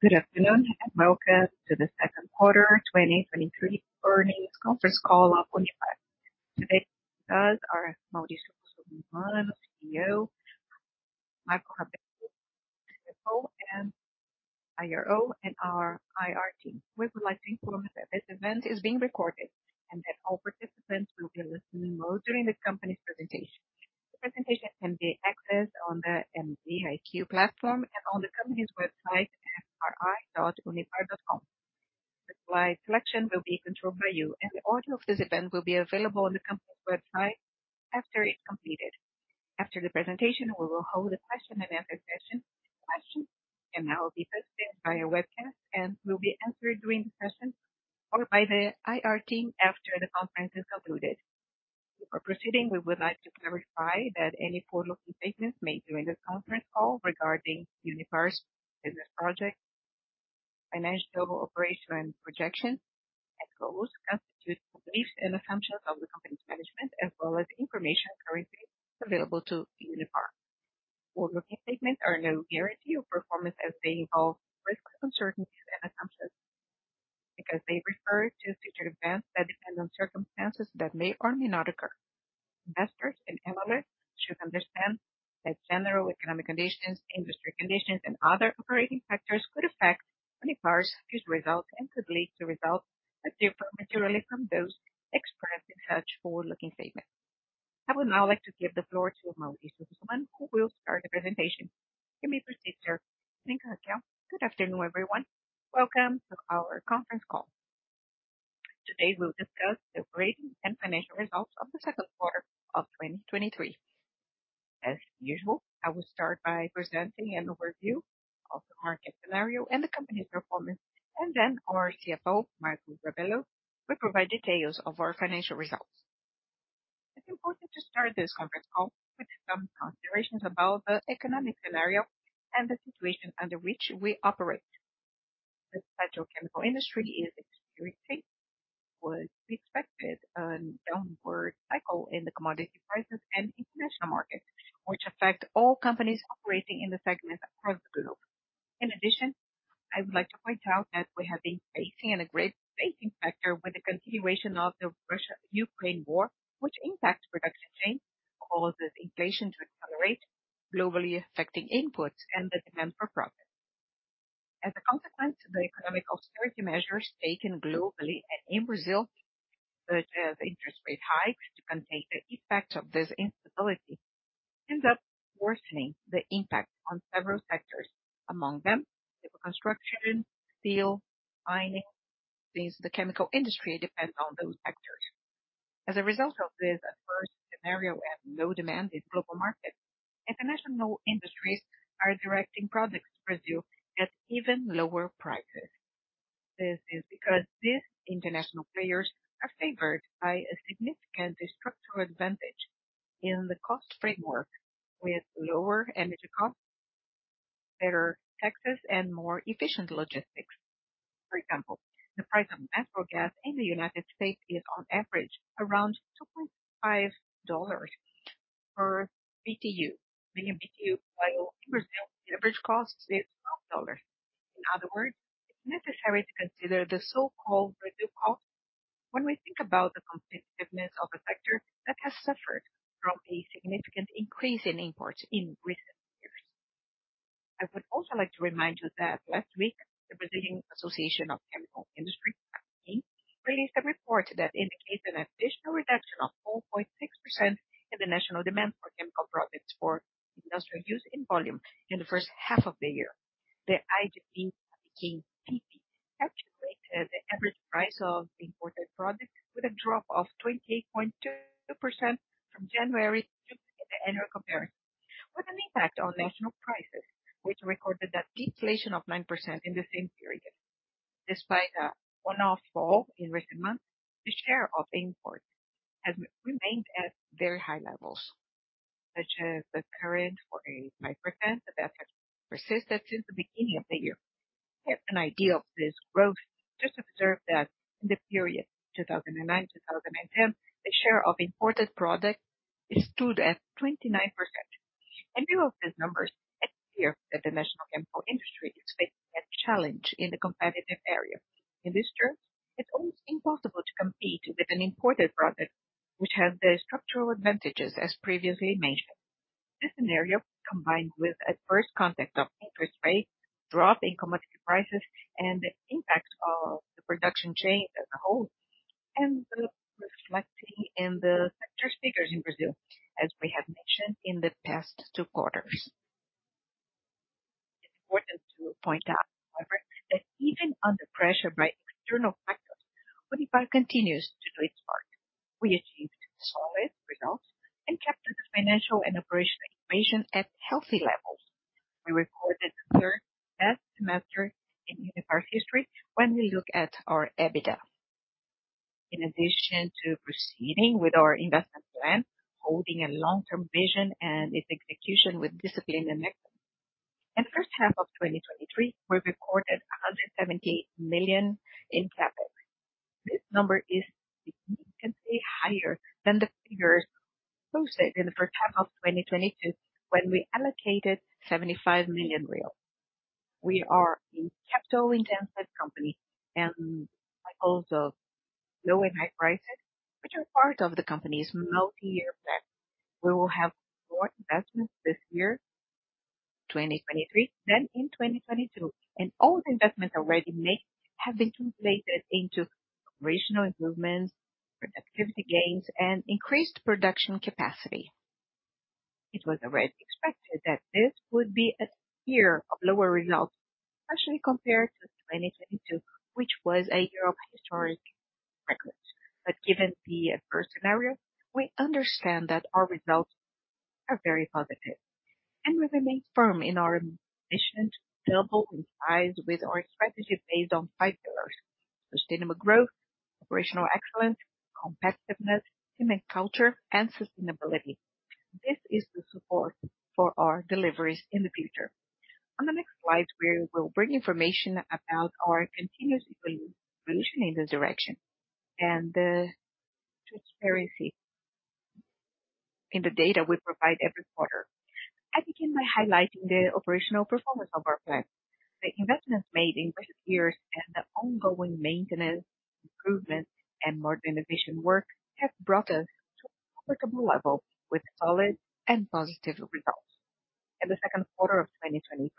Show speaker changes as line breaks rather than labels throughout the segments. Good afternoon, welcome to the second quarter 2023 earnings conference call, Unipar. Today with us are Maurício Russomanno, CEO, Marco Rabello, CFO and IRO, and our IR team. We would like to inform that this event is being recorded and that all participants will be listening only during the company's presentation. The presentation can be accessed on the MZiQ platform and on the company's website at ri.unipar.com. The slide selection will be controlled by you, and the audio of this event will be available on the company's website after it's completed. After the presentation, we will hold a question-and-answer session. Questions can now be posted via webcast and will be answered during the session or by the IR team after the conference is concluded. Before proceeding, we would like to clarify that any forward-looking statements made during this conference call regarding Unipar's business project, financial operation, projection, and goals constitute beliefs and assumptions of the company's management, as well as information currently available to Unipar. Forward-looking statements are no guarantee of performance as they involve risks, uncertainties, and assumptions, because they refer to future events that depend on circumstances that may or may not occur. Investors and analysts should understand that general economic conditions, industry conditions, and other operating factors could affect Unipar's future results and could lead to results that differ materially from those expressed in such forward-looking statements. I would now like to give the floor to Maurício Russomanno, who will start the presentation. You may proceed, sir.
Thank you. Good afternoon, everyone. Welcome to our conference call. Today, we'll discuss the operating and financial results of the second quarter of 2023. As usual, I will start by presenting an overview of the market scenario and the company's performance. Then our CFO, Marco Rabello, will provide details of our financial results. It's important to start this conference call with some considerations about the economic scenario and the situation under which we operate. The petrochemical industry is experiencing what we expected, an downward cycle in the commodity prices and international markets, which affect all companies operating in the segment across the globe. In addition, I would like to point out that we have been facing a great facing factor with the continuation of the Russia-Ukraine war, which impacts production chains, causes inflation to accelerate, globally affecting inputs and the demand for profit. As a consequence, the economic austerity measures taken globally and in Brazil, such as interest rate hikes, to contain the effects of this instability, ends up worsening the impact on several sectors, among them civil construction, steel, mining. Since the chemical industry depends on those sectors. As a result of this adverse scenario and low demand in global markets, international industries are directing products to Brazil at even lower prices. This is because these international players are favored by a significant structural advantage in the cost framework, with lower energy costs, better taxes, and more efficient logistics. For example, the price of natural gas in the United States is on average, around $2.5 per million BTU. While in Brazil, the average cost is $12. In other words, it's necessary to consider the so-called Brazil cost when we think about the competitiveness of a sector that has suffered from a significant increase in imports in recent years. I would also like to remind you that last week, the Brazilian Chemical Industry Association, ABIQUIM, released a report that indicates an additional reduction of 4.6% in the national demand for chemical products for industrial use in volume in the first half of the year. The ABIQUIM calculated the average price of imported products with a drop of 28.2% from January to in the annual comparison, with an impact on national prices, which recorded a deflation of 9% in the same period. Despite a one-off fall in recent months, the share of imports has remained at very high levels, such as the current 48.5% that has persisted since the beginning of the year. To have an idea of this growth, just observe that in the period 2009 to 2010, the share of imported products stood at 29%. In view of these numbers, it's clear that the national chemical industry is facing a challenge in the competitive area. In this terms, it's almost impossible to compete with an imported product which has the structural advantages, as previously mentioned. This scenario, combined with adverse context of interest rates, drop in commodity prices, and the impact of the production chain as a whole, and reflecting in the sector's figures in Brazil, as we have mentioned in the past two quarters. It's important to point out, however, that even under pressure by external factors, Unipar continues to do its part. We achieved solid results and kept the financial and operational equation at healthy levels. We recorded the third best semester in Unipar's history when we look at our EBITDA. In addition to proceeding with our investment plan, holding a long-term vision and its execution with discipline and method. In first half of 2023, we recorded 170 million in capital. This number is significantly higher than the figures posted in the first half of 2022, when we allocated 75 million real. We are a capital-intensive company, and like all the low and high prices, which are part of the company's multi-year plan, we will have more investments this year, 2023, than in 2022. All the investments already made have been translated into operational improvements, productivity gains, and increased production capacity. It was already expected that this would be a year of lower results, especially compared to 2022, which was a year of historic records. Given the adverse scenario, we understand that our results are very positive, and we remain firm in our mission to double in size with our strategy based on five pillars: sustainable growth, operational excellence, competitiveness, human culture, and sustainability. This is the support for our deliveries in the future. On the next slide, we will bring information about our continuous evolution in this direction and the transparency in the data we provide every quarter. I begin by highlighting the operational performance of our plant. The investments made in recent years and the ongoing maintenance, improvement, and modernization work have brought us to a comfortable level with solid and positive results. In the second quarter of 2023,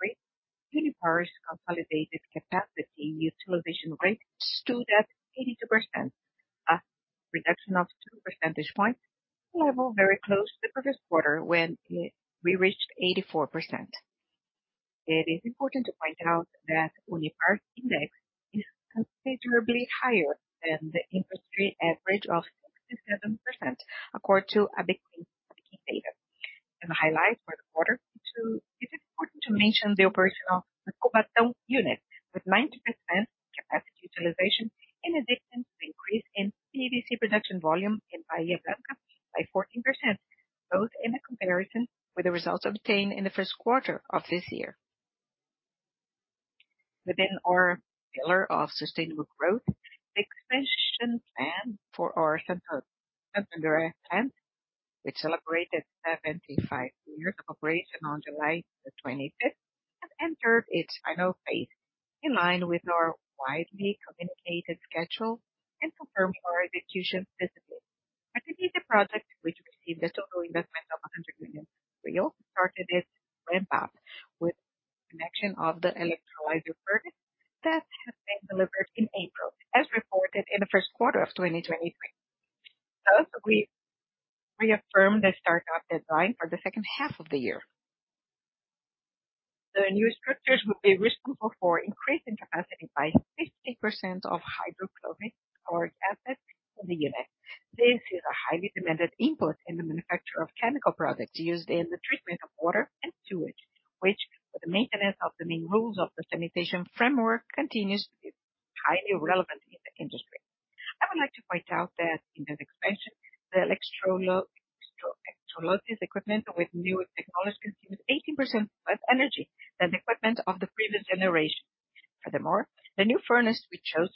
Unipar's consolidated capacity utilization rate stood at 82%, a reduction of 2 percentage points, a level very close to the previous quarter when we reached 84%. It is important to point out that Unipar's index is considerably higher than the industry average of 67%, according to ABIQUIM data. The highlight for the quarter, too, it's important to mention the operational Cubatão unit, with 90% capacity utilization, in addition to increase in PVC production volume in Bahía Blanca by 14%, both in the comparison with the results obtained in the first quarter of this year. Within our pillar of sustainable growth, expansion plan for our Santo André Plant, which celebrated 75 years of operation on July the 25th, and entered its final phase in line with our widely communicated schedule and confirmed our execution discipline. I believe the project, which received a total investment of BRL 100 million, started its ramp-up with connection of the electrolyzer furnace that has been delivered in April, as reported in the first quarter of 2023. We reaffirm the startup design for the second half of the year. The new structures will be responsible for increasing capacity by 50% of hydrochloric acid in the unit. This is a highly demanded input in the manufacture of chemical products used in the treatment of water and sewage, which, for the maintenance of the main rules of the sanitation framework, continues to be highly relevant in the industry. I would like to point out that in the expansion, the electrolysis equipment with new technology consumes 18% less energy than the equipment of the previous generation. Furthermore, the new furnace we chose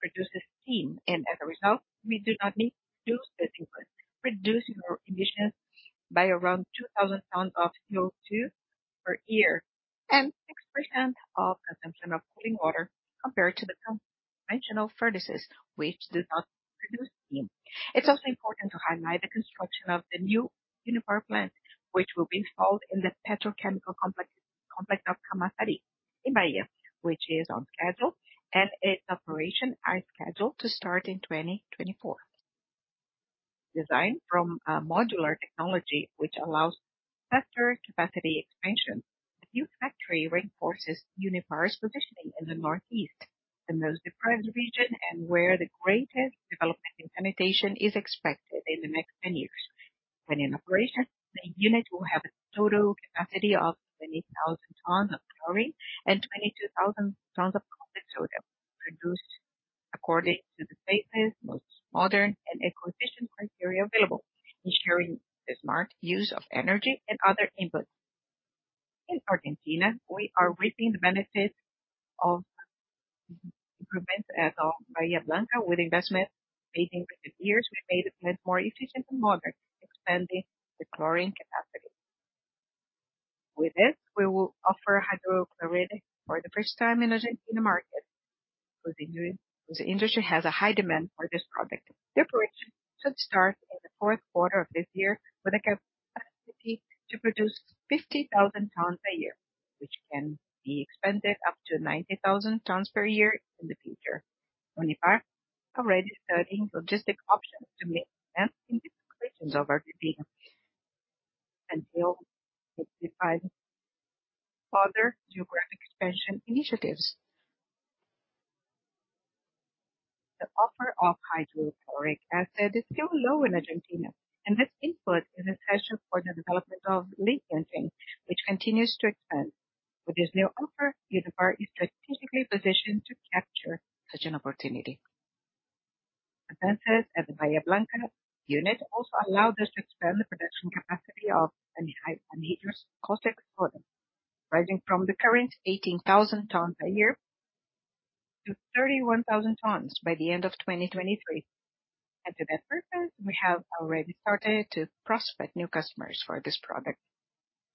produces steam, and as a result, we do not need to use the input, reducing our emissions by around 2,000 tons of CO2 per year and 6% of consumption of cooling water compared to the conventional furnaces, which do not produce steam. It's also important to highlight the construction of the new Unipar plant, which will be installed in the petrochemical complex, complex of Camaçari in Bahía, which is on schedule, and its operation are scheduled to start in 2024. Designed from a modular technology, which allows faster capacity expansion, the new factory reinforces Unipar's positioning in the Northeast, the most depressed region, and where the greatest development in sanitation is expected in the next 10 years. When in operation, the unit will have a total capacity of 20,000 tons of chlorine and 22,000 tons of caustic soda, produced according to the safest, most modern, and efficient criteria available, ensuring the smart use of energy and other inputs. In Argentina, we are reaping the benefits of improvements at our Bahía Blanca with investment. Making recent years, we made the plant more efficient and modern, expanding the chlorine capacity. With this, we will offer hydrochloric for the first time in Argentinian market, whose industry has a high demand for this product. The operation should start in the fourth quarter of this year with a capacity to produce 50,000 tons a year, which can be expanded up to 90,000 tons per year in the future. Unipar is already studying logistic options to meet demand in different regions of our PP until we define further geographic expansion initiatives. The offer of hydrochloric acid is still low in Argentina, and this input is essential for the development of lithium mining, which continues to expand. With this new offer, Unipar is strategically positioned to capture such an opportunity. Advances at the Bahía Blanca unit also allowed us to expand the production capacity of anhydrous caustic soda, rising from the current 18,000 tons a year to 31,000 tons by the end of 2023. At the best purpose, we have already started to prospect new customers for this product.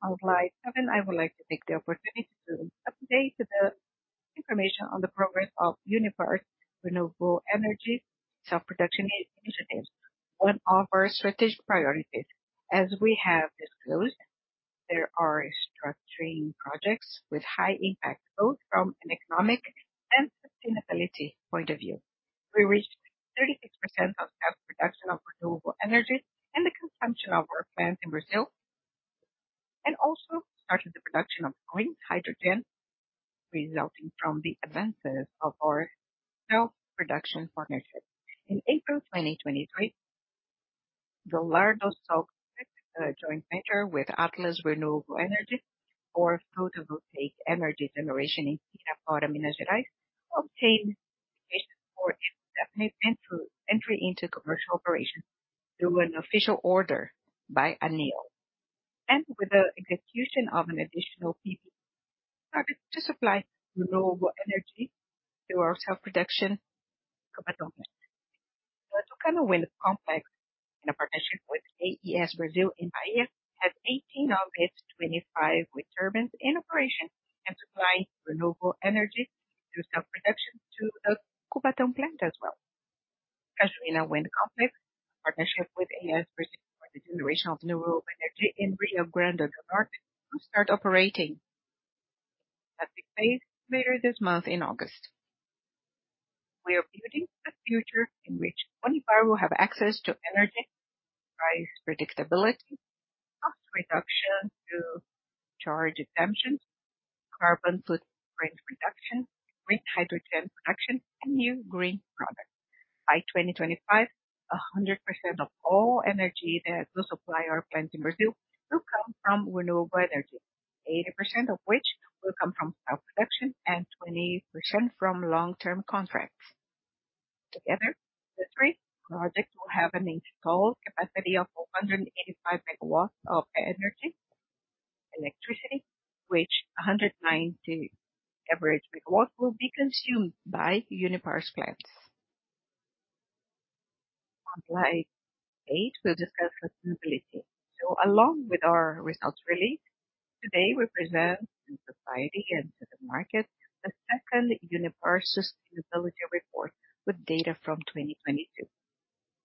On slide seven, I would like to take the opportunity to update the information on the progress of Unipar renewable energy self-production initiatives on all of our strategic priorities. As we have disclosed, there are structuring projects with high impact, both from an economic and sustainability point of view. We reached 36% of self-production of renewable energy and the consumption of our plants in Brazil, and also started the production of green hydrogen, resulting from the advances of our self-production partnership. In April 2023, the largest self joint venture with Atlas Renewable Energy or photovoltaic energy generation in Minas Gerais, obtained permission for definite and through entry into commercial operation through an official order by ANEEL, and with the execution of an additional PV to supply renewable energy to our self-production Cubatão. The Tucano Wind Complex, in a partnership with AES Brazil in Bahía, has 18 August 25 wind turbines in operation and supply renewable energy through self-production to Cubatão Plant as well. Cajuína Wind Complex, partnership with AES Brazil for the generation of renewable energy in Rio Grande do Norte, will start operating at the phase later this month in August. We are building a future in which Unipar will have access to energy, price predictability, cost reduction to charge redemption, carbon footprint reduction, green hydrogen production, and new green products. By 2025, 100% of all energy that will supply our plants in Brazil will come from renewable energy, 80% of which will come from self-production and 20% from long-term contracts. Together, the three projects will have an installed capacity of 485 megawatts of energy, electricity, which 190 average megawatts will be consumed by Unipar's plants. On slide eight, we discuss sustainability. Along with our results release, today, we present to society and to the market the second Unipar sustainability report with data from 2022.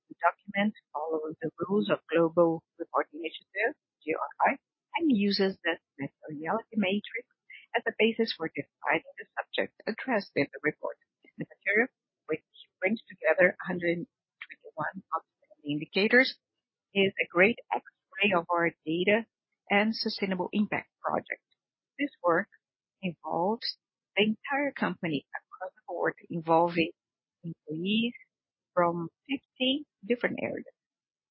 The document follows the rules of Global Reporting Initiative, GRI, and uses the materiality matrix as a basis for deciding the subject addressed in the report. The material, which brings together 121 indicators, is a great X-ray of our data and sustainable impact project. This work involves the entire company across the board, involving employees from 50 different areas,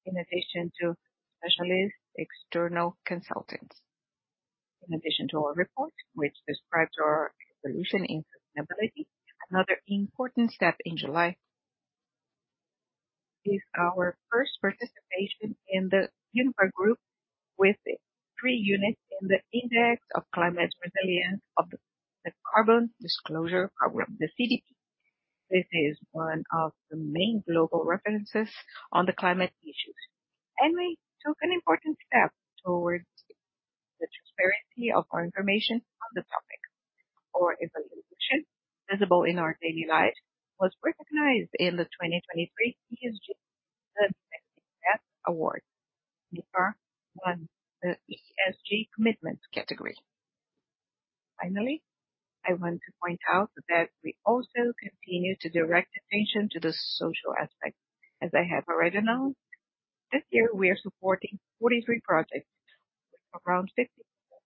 in addition to specialist external consultants. In addition to our report, which describes our evolution in sustainability, another important step in July is our first participation in the Unipar, with three units in the Index of Climate Resilience of the Carbon Disclosure Project, the CDP. This is one of the main global references on the climate issues, and we took an important step towards the transparency of our information on the topic. Our evolution, visible in our daily life, was recognized in the 2023 ESG awards, won the ESG commitment category. Finally, I want to point out that we also continue to direct attention to the social aspect. As I have already announced, this year we are supporting 43 projects with around 60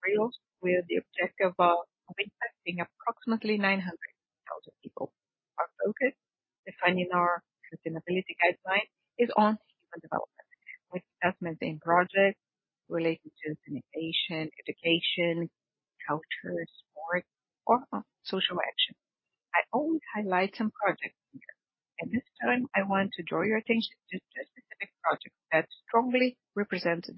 million, with the objective of impacting approximately 900,000 people. Our focus, defining our sustainability guideline, is on human development, with investments in projects related to sanitation, education, culture, sport, or social action. I always highlight some projects here, and this time I want to draw your attention to two specific projects that strongly represent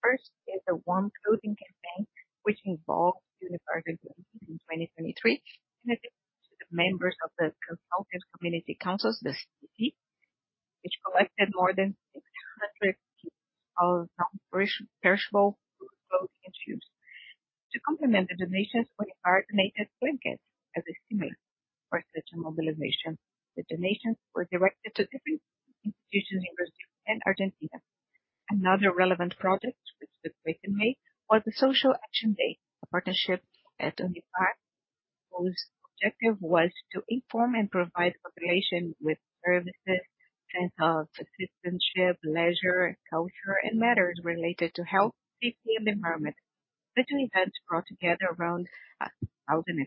the direction we have taken. First is the Warm Clothing campaign, which involved Unipar in 2023, in addition to the members of the consultant community councils, the CCC, which collected more than 600 pieces of non-perish- perishable clothing and shoes. To complement the donations, we coordinated blankets as a stimulus for such a mobilization. The donations were directed to different institutions in Brazil and Argentina. Another relevant project, which took place in May, was the Social Action Day, a partnership at Unipar, whose objective was to inform and provide population with services, health, citizenship, leisure, culture, and matters related to health, safety, and environment. The two events brought together around 1,000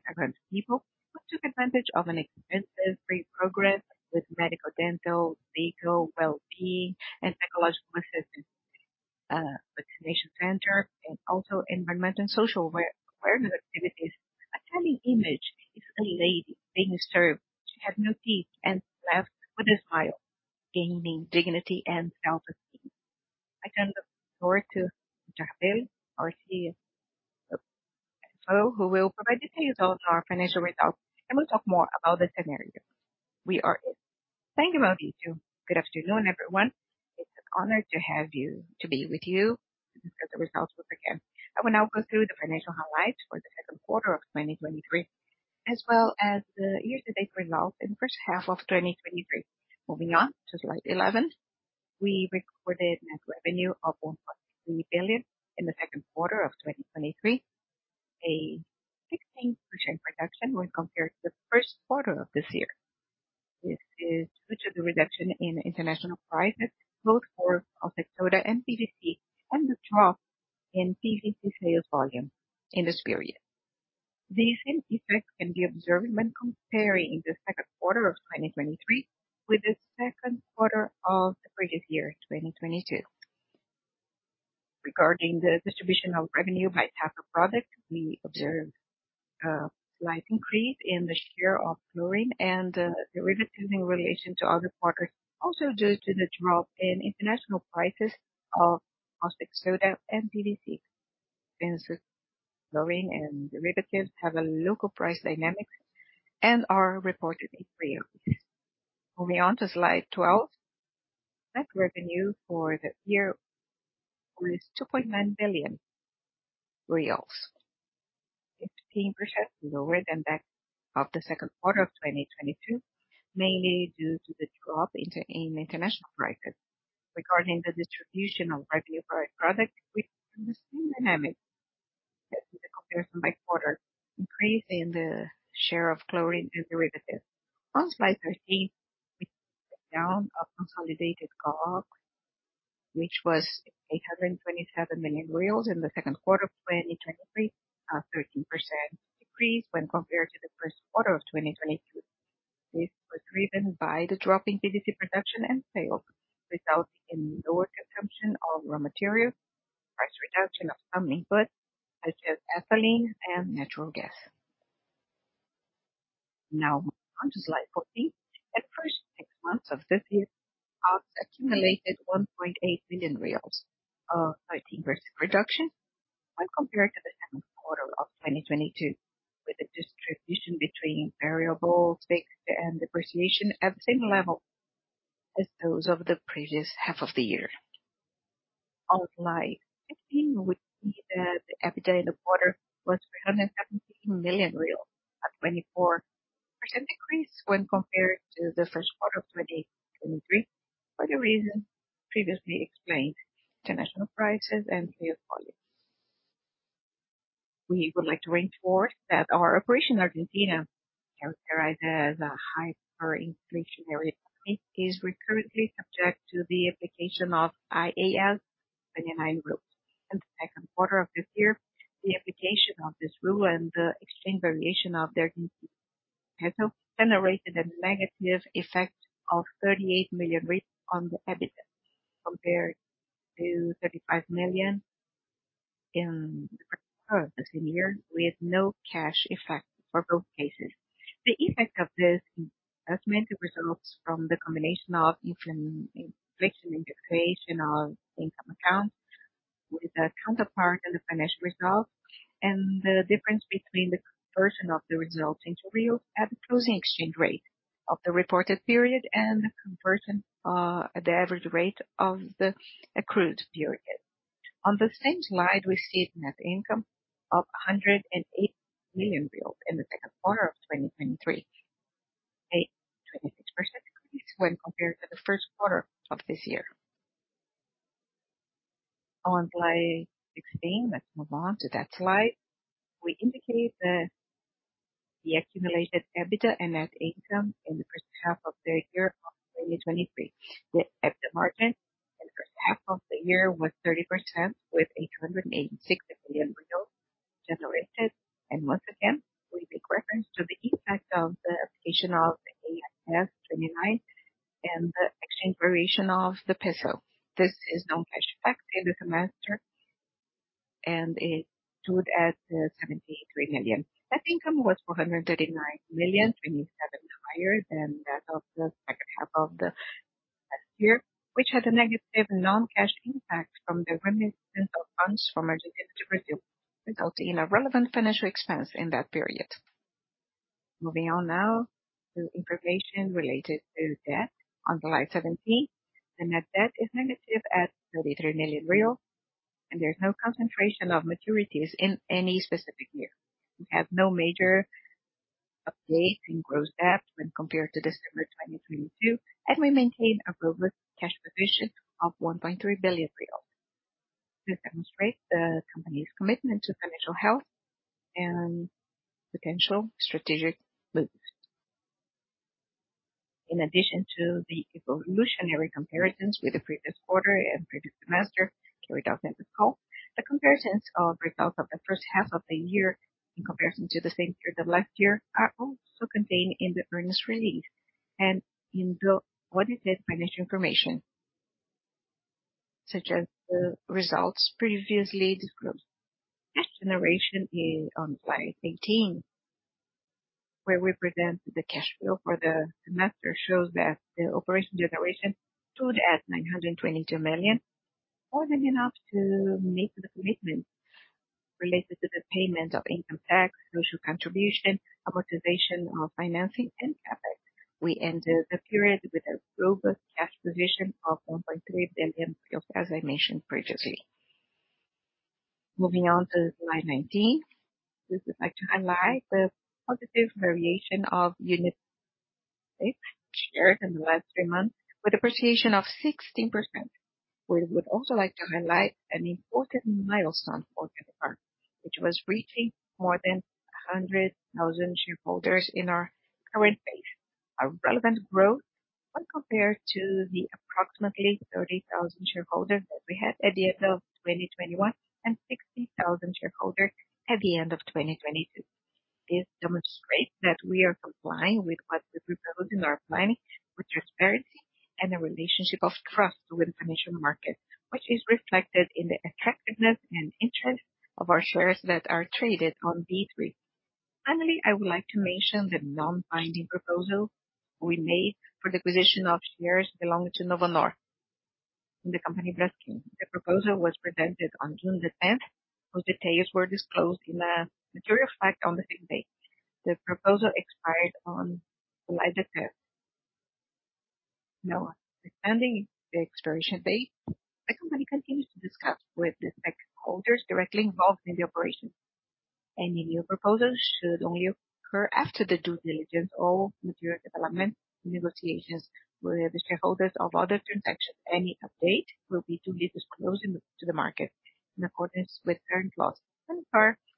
people who took advantage of an expensive free progress with medical, dental, legal, well-being, and psychological assistance, vaccination center, and also environmental and social awareness activities. The telling image is a lady being served. She has no teeth and laughs with a smile, gaining dignity and self-esteem. I turn the floor to Rabello, our CFO, who will provide details of our financial results, and will talk more about the scenario we are in.
Thank you, Maurício. Good afternoon, everyone. It's an honor to be with you, and discuss the results with again. I will now go through the financial highlights for the second quarter of 2023, as well as the year-to-date results in the first half of 2023. Moving on to slide 11. We recorded net revenue of 1.3 billion in the second quarter of 2023, a 16% reduction when compared to the first quarter of this year. This is due to the reduction in international prices, both for caustic soda and PVC, and the drop in PVC sales volume in this period. The same effect can be observed when comparing the second quarter of 2023 with the second quarter of the previous year, 2022. Regarding the distribution of revenue by type of product, we observed a slight increase in the share of chlorine and derivatives in relation to other products, also due to the drop in international prices of caustic soda and PVC. Since chlorine and derivatives have a local price dynamic and are reportedly free. Moving on to slide 12. Net revenue for the year was BRL 2.9 billion, 15% lower than that of the second quarter of 2022, mainly due to the drop in international prices. Regarding the distribution of revenue by product, we have the same dynamic as the comparison by quarter, increase in the share of chlorine and derivatives. On slide 13, we down a consolidated COGS, which was 827 million reais in the second quarter of 2023, a 13% decrease when compared to the first quarter of 2022. This was driven by the drop in PVC production and sales, resulting in lower consumption of raw materials, price reduction of some inputs, such as ethylene and natural gas. Now, on to slide 14. At first six months of this year, costs accumulated BRL 1.8 billion, a 13% reduction when compared to the second quarter of 2022, with a distribution between variable, fixed and depreciation at the same level as those of the previous half of the year. On slide 15, we see that the EBITDA in the quarter was 370 million real, a 24% decrease when compared to the first quarter of 2023, for the reason previously explained, international prices and real volumes. We would like to reinforce that our operation in Argentina, characterized as a hyperinflationary economy, is recurrently subject to the application of IAS 29 rule. In the second quarter of this year, the application of this rule and the exchange variation of the peso generated a negative effect of 38 million on the EBITDA, compared to 35 million in the first half of the year, with no cash effect for both cases. The effect of this has mainly results from the combination of inflation and deflation on income accounts, with a counterpart in the financial results, and the difference between the conversion of the results into real at the closing exchange rate of the reported period and the conversion at the average rate of the accrued period. On the same slide, we see a net income of 180 million real in the second quarter of 2023, a 26% decrease when compared to the first quarter of this year. On slide 16, let's move on to that slide. We indicate that the accumulated EBITDA and net income in the first half of 2023. The EBITDA margin in the first half of the year was 30%, with 186 million generated. Once again, we make reference to the effect of the application of the IAS 29 and the exchange variation of the peso. This is non-cash effect in the semester, and it stood at 73 million. Net income was 439 million, 27 higher than that of the second half of the last year, which had a negative non-cash impact from the remittance of funds from Argentina to Brazil, resulting in a relevant financial expense in that period. Moving on now to information related to debt on the slide 17. The net debt is negative at 33 million real, and there's no concentration of maturities in any specific year. We have no major update in gross debt when compared to December 2022, and we maintain a robust cash position of 1.3 billion real. This demonstrates the company's commitment to financial health and potential strategic moves. In addition to the evolutionary comparisons with the previous quarter and previous semester, carried out in the call, the comparisons of results of the first half of the year in comparison to the same period of last year, are also contained in the earnings release and in the audited financial information. Such as the results previously disclosed. Cash generation is on slide 18, where we present the cash flow for the semester, shows that the operation generation stood at 922 million, more than enough to meet the commitments related to the payment of income tax, social contribution, amortization of financing, and CapEx. We ended the period with a robust cash position of 1.3 billion, as I mentioned previously. Moving on to slide 19. This I'd like to highlight the positive variation of unit shares in the last three months, with appreciation of 16%. We would also like to highlight an important milestone for Unipar, which was reaching more than 100,000 shareholders in our current base. A relevant growth when compared to the approximately 30,000 shareholders that we had at the end of 2021, and 60,000 shareholders at the end of 2022. This demonstrates that we are complying with what we proposed in our planning, with transparency and a relationship of trust with the financial market, which is reflected in the attractiveness and interest of our shares that are traded on B3. Finally, I would like to mention the non-binding proposal we made for the acquisition of shares belonging to Novonor in the company Braskem. The proposal was presented on June 10th. Those details were disclosed in a material fact on the same day. The proposal expired on July 3rd. Now, extending the expiration date, the company continues to discuss with the stakeholders directly involved in the operation. Any new proposals should only occur after the due diligence or material development negotiations with the shareholders of other transactions. Any update will be duly disclosed to the market in accordance with current laws.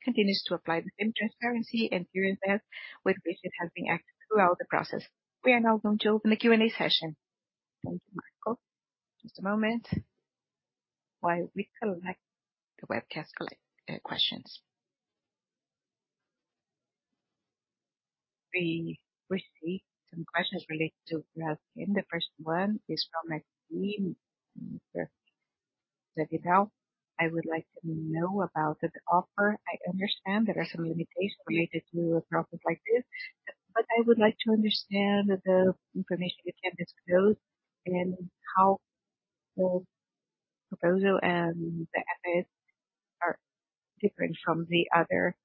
Continues to apply the same transparency and due diligence with which it has been acting throughout the process. We are now going to open the Q&A session.
Thank you, Marco. Just a moment, while we collect the webcast, collect questions. We receive some questions related to Braskem. The first one is from Maxine. I would like to know about the offer. I understand there are some limitations related to a process like this, but I would like to understand the information you can disclose and how the proposal and the assets are different from the other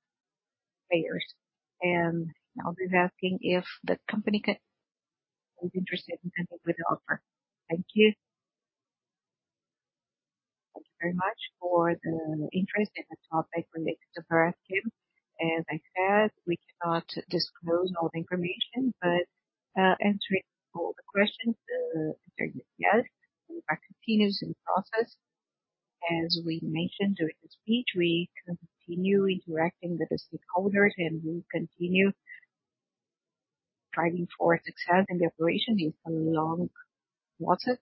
players. I'll be asking if the company is interested in continuing with the offer. Thank you.
Thank you very much for the interest in the topic related to Braskem. As I said, we cannot disclose all the information, but, answering all the questions, yes, Braskem continues in process. As we mentioned during the speech, we continue interacting with the stakeholders, and we'll continue striving for success, and the operation is a long process.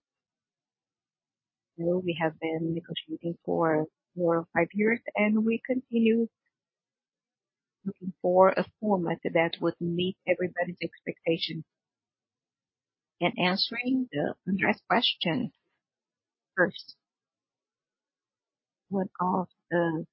We have been negotiating for more than five years, and we continue looking for a format that would meet everybody's expectations.
Answering the address question first. One of the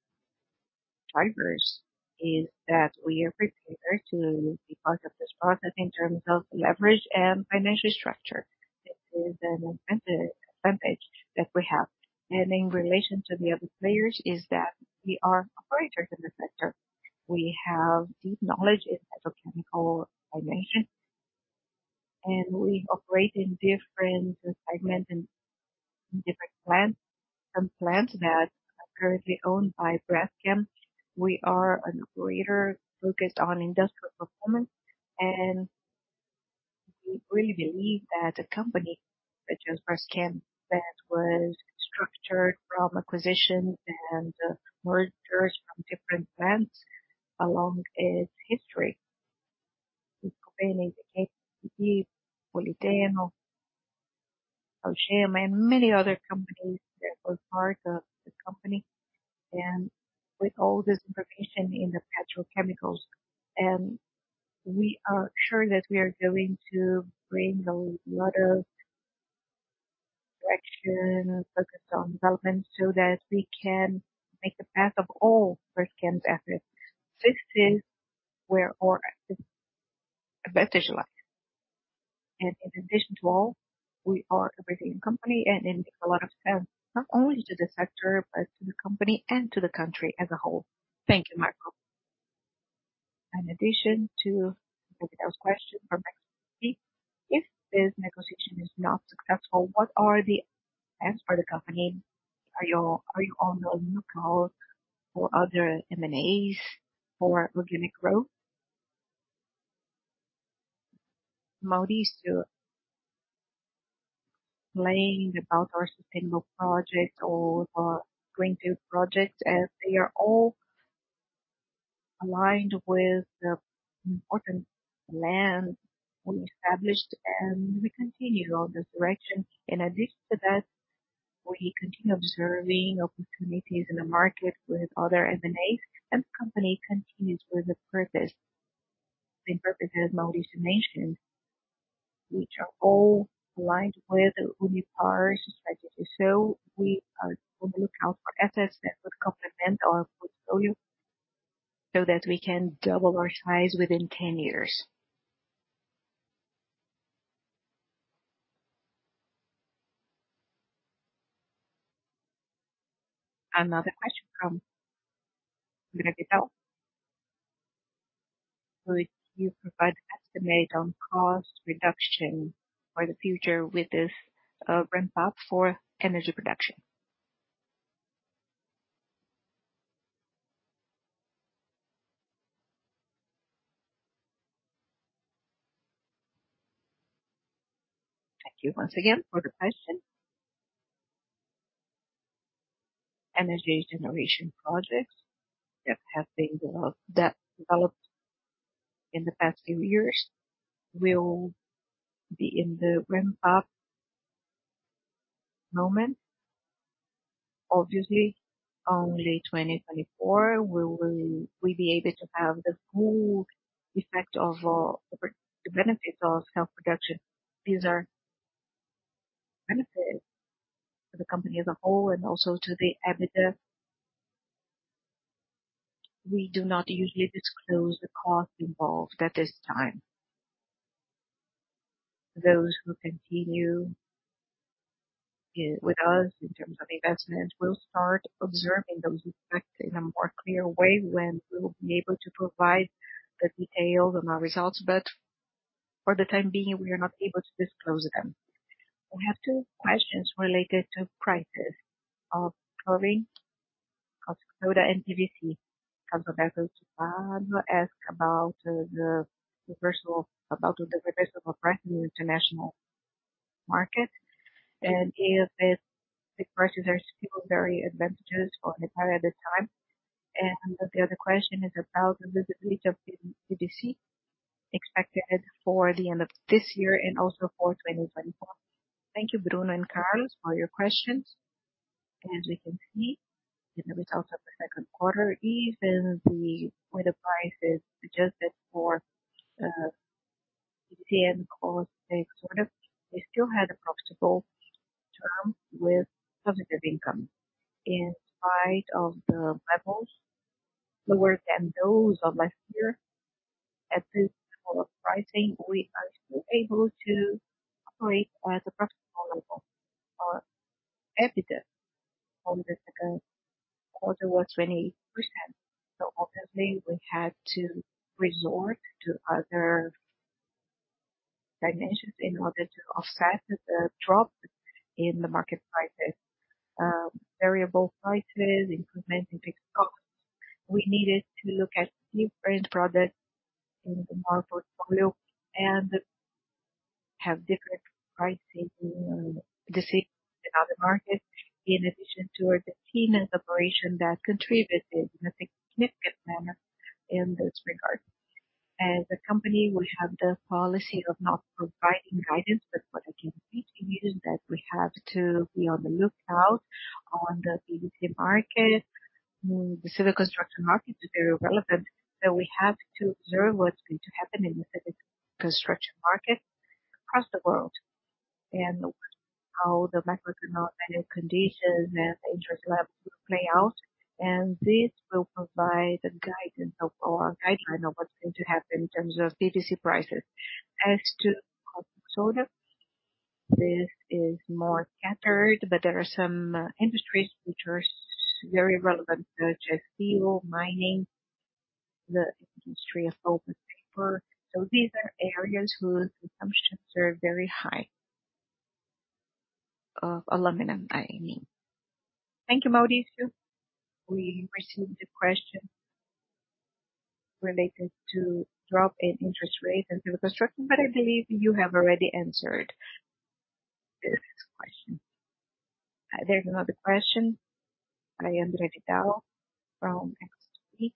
drivers is that we are prepared to be part of this process in terms of leverage and financial structure. This is an advantage, advantage that we have. In relation to the other players, is that we are operators in the sector. We have deep knowledge in petrochemical automation, and we operate in different segments and different plants. Some plants that are currently owned by Braskem, we are an operator focused on industrial performance, and we really believe that a company such as Braskem, that was structured from acquisitions and mergers from different plants along its history. This company is the case, Politeno, Oxiteno, and many other companies that were part of the company, and with all this information in the petrochemicals, and we are sure that we are going to bring a lot of direction, focus on development, so that we can make the path of all Braskem's efforts. This is where our advantage lies. In addition to all, we are a Brazilian company, and it means a lot of time, not only to the sector, but to the company and to the country as a whole.
Thank you, Marco. In addition to those question from Maxine, if this negotiation is not successful, what are the plans for the company? Are you on the lookout for other M&As for organic growth?
Maurício, playing about our sustainable projects or our greenfield projects, as they are all aligned with the important plans we established, and we continue on this direction. In addition to that, we continue observing opportunities in the market with other M&As, and the company continues with the purpose.... They represent Maurício Russomanno, which are all aligned with our strategy. We are on the lookout for assets that would complement our portfolio, so that we can double our size within 10 years.
Another question from Linda Vitale. Could you provide an estimate on cost reduction for the future with this, ramp up for energy production?
Thank you once again for the question. Energy generation projects that have been developed, that developed in the past few years will be in the ramp up moment. Obviously, only 2024 we be able to have the full effect of the benefits of self-production. These are benefits to the company as a whole, and also to the EBITDA. We do not usually disclose the cost involved at this time. Those who continue with us in terms of investment will start observing those effects in a more clear way when we will be able to provide the details on our results, but for the time being, we are not able to disclose them.
We have two questions related to prices of probably caustic soda and PVC. Carlos Alberto asked about the reversal, about the reversal of price in the international market, and if the prices are still very advantageous for at the time. The other question is about the visibility of PVC expected for the end of this year and also for 2024.
Thank you, Bruno and Carlos, for your questions. As you can see, in the results of the 2Q, even the with the prices adjusted for PVC and caustic soda, we still had a profitable term with positive income. In spite of the levels lower than those of last year. At this point of pricing, we are still able to operate at a profitable level. Our EBITDA from the 2Q was 20%, so obviously we had to resort to other dimensions in order to offset the drop in the market prices. Variable prices, increment in fixed costs. We needed to look at different products in the market portfolio and have different pricing decisions in other markets, in addition to our team and operation, that contributed in a significant manner in this regard. As a company, we have the policy of not providing guidance, but what I can speak to you is that we have to be on the lookout on the PVC market. The civil construction market is very relevant, so we have to observe what's going to happen in the civil construction market across the world, and how the macroeconomic conditions and interest levels will play out. This will provide the guidance of our guideline of what's going to happen in terms of PVC prices. As to caustic soda, this is more scattered, but there are some industries which are very relevant, such as steel, mining, the industry of pulp and paper. These are areas whose consumptions are very high of aluminum, I mean.
Thank you, Maurício. We received a question related to drop in interest rates and civil construction, I believe you have already answered this question. There's another question. I am Ricky Dao from XYZ.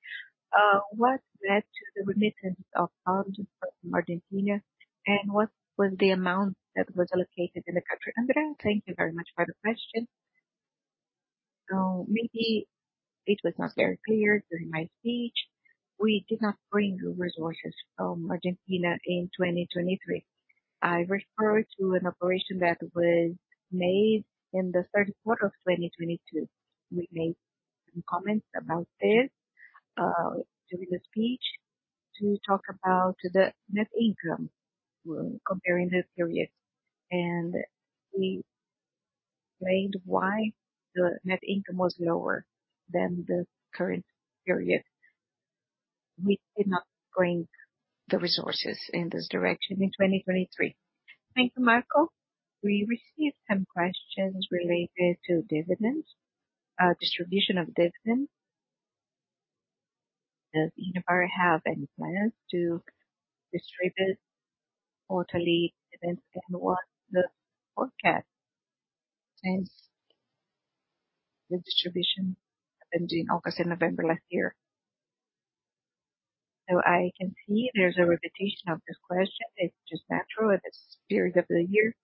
What led to the remittance of funds from Argentina, and what was the amount that was allocated in the country?
Andrea, thank you very much for the question. Maybe it was not very clear during my speech. We did not bring resources from Argentina in 2023. I referred to an operation that was made in the third quarter of 2022. We made some comments about this during the speech, to talk about the net income, comparing the periods. We explained why the net income was lower than the current period. We did not bring the resources in this direction in 2023.
Thank you, Marco. We received some questions related to dividends, distribution of dividends. Does Unipar have any plans to distribute quarterly events, and what the forecast, since the distribution happened in August and November last year?
I can see there's a repetition of this question. It's just natural at this period of the year.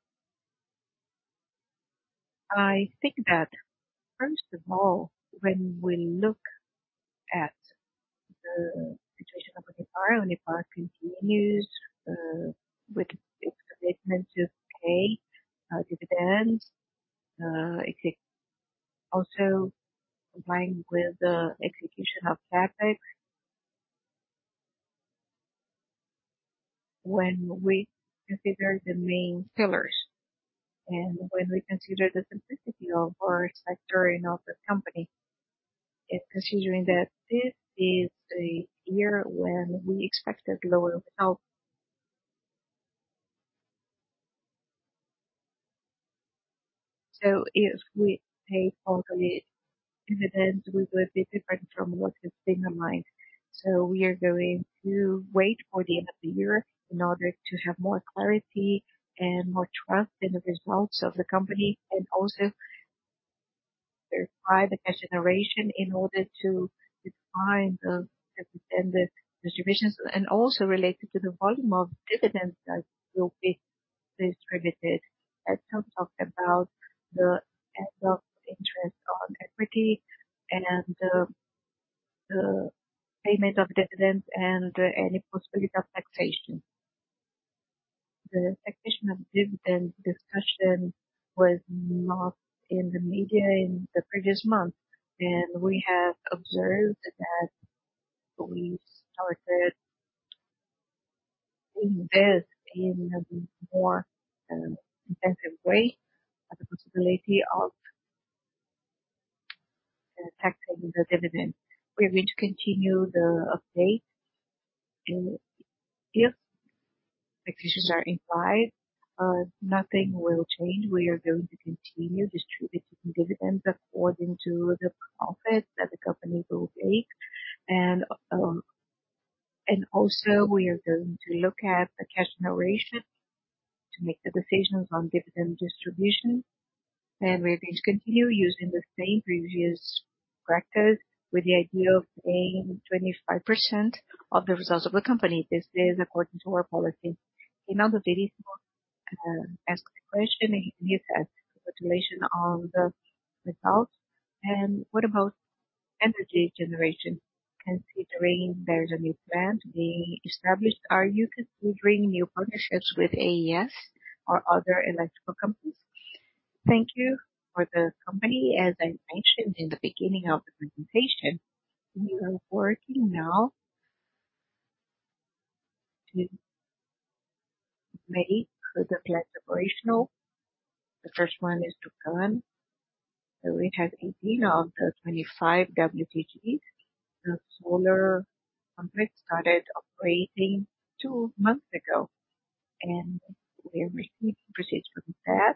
I think that first of all, when we look at the situation of Unipar, Unipar continues with its commitment to pay dividends. It is also complying with the execution of CapEx. When we consider the main pillars and when we consider the simplicity of our sector and of the company, and considering that this is the year when we expected lower results. If we pay all the dividends, we will be different from what has been in mind. We are going to wait for the end of the year in order to have more clarity and more trust in the results of the company, and also verify the cash generation in order to define the dividend distributions, and also related to the volume of dividends that will be distributed and to talk about the end of interest on equity and the payment of dividends and any possibility of taxation. The taxation of dividend discussion was not in the media in the previous month, and we have observed that we started to invest in a more intensive way at the possibility of taxing the dividend. We are going to continue the update, and if taxations are implied, nothing will change. We are going to continue distributing dividends according to the profit that the company will make. Also, we are going to look at the cash generation to make the decisions on dividend distribution. We are going to continue using the same previous practice with the idea of paying 25% of the results of the company. This is according to our policy.
Another very small, ask the question, he said: Congratulations on the results, and what about energy generation? Considering there's a new plant being established, are you considering new partnerships with AES or other electrical companies?
Thank you. For the company, as I mentioned in the beginning of the presentation, we are working now to make the plant operational. The first one is to run, so we have 18 of the 25 WTGs. The solar complex started operating two months ago, and we are receiving proceeds from that,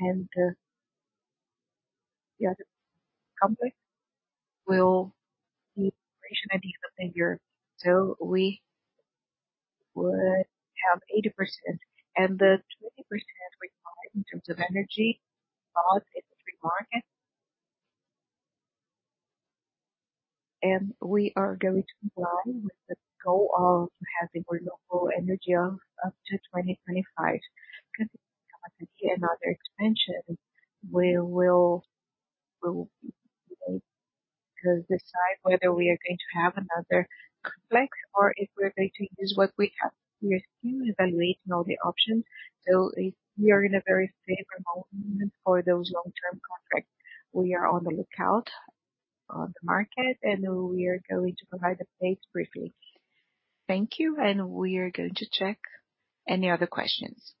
and, the other complex will be operational at the end of the year. We would have 80% and the 20% we buy in terms of energy, but it's free market. We are going to run with the goal of having renewable energy of up to 2025. Capacity another expansion, we will, we will to decide whether we are going to have another complex or if we're going to use what we have. We are still evaluating all the options, so if we are in a very favorable moment for those long-term contracts, we are on the lookout on the market, and we are going to provide updates briefly.
Thank you, and we are going to check any other questions.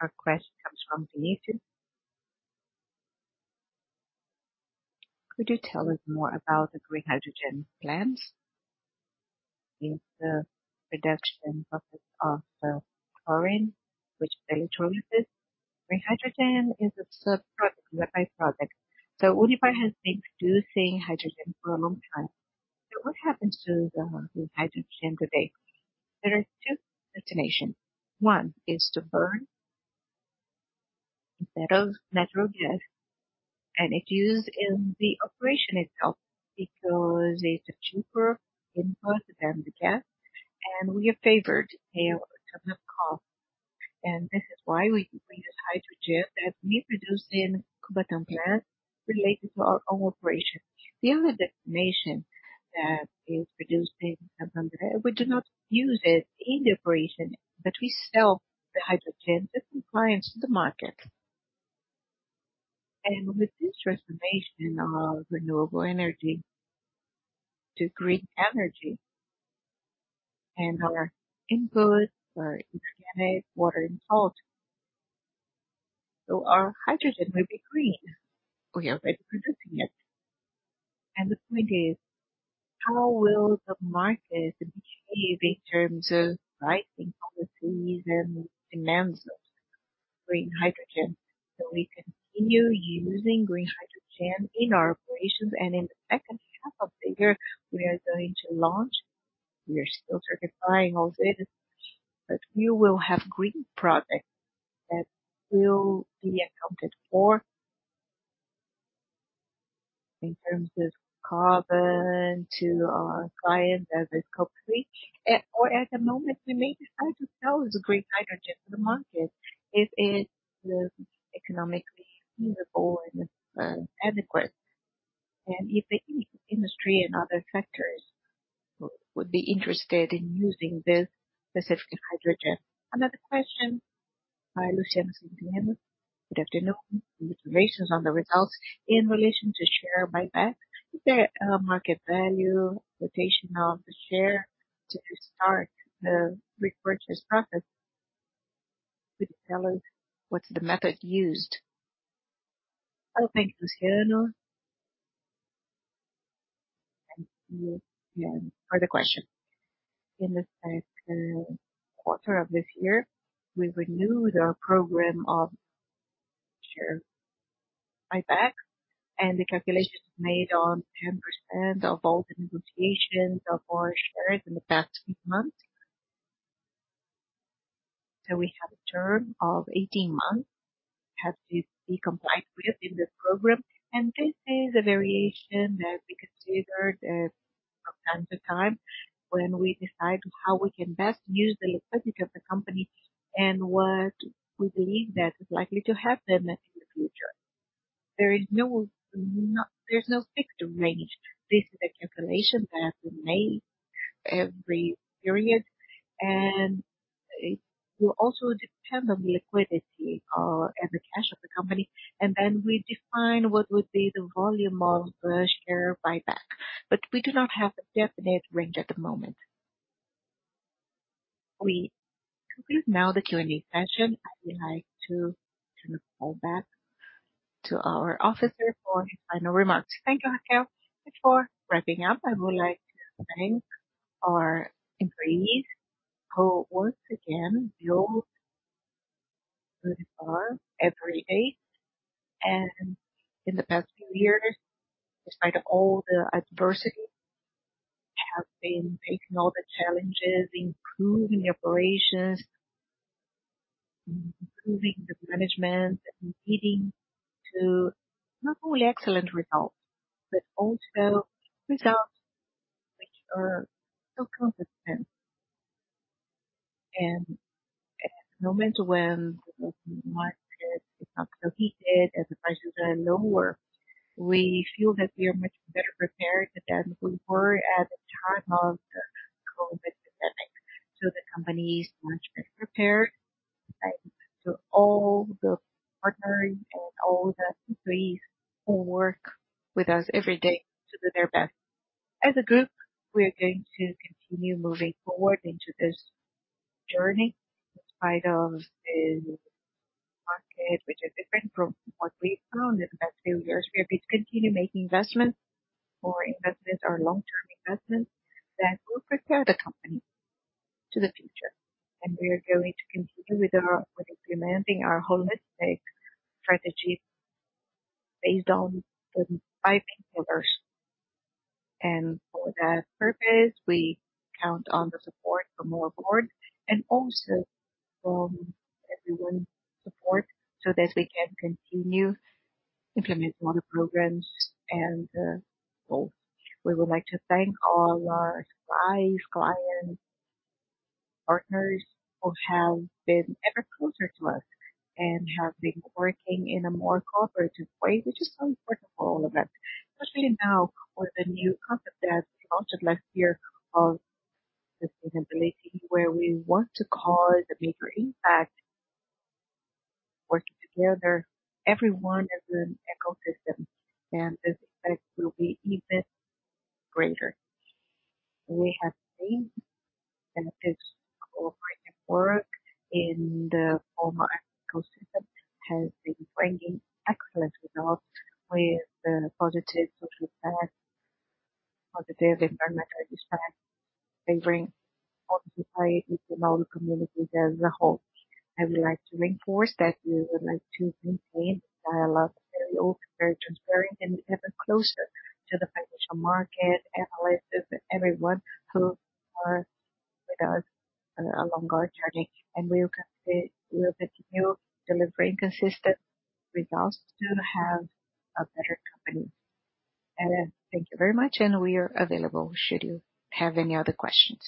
Our question comes from Vinicius. Could you tell us more about the green hydrogen plans? If the production process of the chlorine, which is electrolysis. Green hydrogen is a sub product, byproduct. Unipar has been producing hydrogen for a long time. What happens to the hydrogen today?
There are two destinations. One is to burn instead of natural gas, and it's used in the operation itself because it's a cheaper input than the gas, and we are favored to have a ton of cost. This is why we, we use hydrogen that we produce in Cubatão Plant related to our own operation. The other destination that is produced in, we do not use it in the operation, but we sell the hydrogen, different clients to the market. With this transformation of renewable energy to green energy and our inputs are inorganic, water, and salt. Our hydrogen will be green. We are already producing it. The point is, how will the market behave in terms of pricing policies and demands of green hydrogen? We continue using green hydrogen in our operations, and in the second half of the year, we are going to launch. We are still certifying all of it, but we will have green products that will be accounted for in terms of carbon to our clients as it's completely. At the moment, we may decide to sell the green hydrogen to the market if it is economically feasible and adequate, and if the industry and other sectors would be interested in using this specific hydrogen.
Another question by Luciano Santino. Good afternoon. Congratulations on the results in relation to share buyback. Is there a market value quotation of the share to start the repurchase profit? Could you tell us what's the method used?
Oh, thank you, Luciano. You can further question. In the second quarter of this year, we renew the program of share buyback, and the calculation is made on 10% of all the negotiations of our shares in the past few months. We have a term of 18 months, has to be complied with in this program, and this is a variation that we consider that from time to time, when we decide how we can best use the liquidity of the company and what we believe that is likely to happen in the future. There is no, there's no fixed range. This is a calculation that has been made every period, and it will also depend on the liquidity and the cash of the company, and then we define what would be the volume of the share buyback. We do not have a definite range at the moment.
We conclude now the Q&A session. I would like to turn it all back to our officer for his final remarks.
Thank you, Raquel. Before wrapping up, I would like to thank our employees, who once again, build very far every day, and in the past few years, despite all the adversity, have been taking all the challenges, improving the operations, improving the management, and leading to not only excellent results, but also results which are so consistent. At a moment when the market is not so heated and the prices are lower, we feel that we are much better prepared than we were at the time of the COVID pandemic. The company is much better prepared, thanks to all the partners and all the employees who work with us every day to do their best. As a group, we're going to continue moving forward into this journey despite of the market, which is different from what we found in the past few years. We are going to continue making investments, more investments or long-term investments, that will prepare the company to the future. We are going to continue with our-- with implementing our holistic strategy based on the 5 pillars. For that purpose, we count on the support from our board and also from everyone's support, so that we can continue to implement more programs and goals. We would like to thank all our suppliers, clients, partners, who have been ever closer to us and have been working in a more cooperative way, which is so important for all of us, especially now with the new concept that was launched last year of sustainability, where we want to cause a major impact. Working together, everyone is an ecosystem, and this effect will be even greater. We have seen benefits of our network in the former ecosystem, has been bringing excellent results with the positive social impact, positive environmental impact, favoring all society and all the community as a whole. I would like to reinforce that we would like to maintain dialogue, very open, very transparent, and ever closer to the financial market, analysis, and everyone who are with us along our journey. We will continue delivering consistent results to have a better company. Thank you very much, and we are available should you have any other questions.